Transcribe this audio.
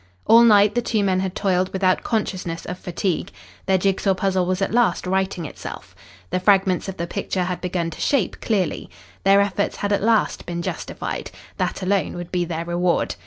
All night the two men had toiled without consciousness of fatigue. Their jigsaw puzzle was at last righting itself. The fragments of the picture had begun to shape clearly. Their efforts had at last been justified. That alone would be their reward.